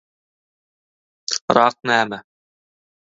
Rak näme?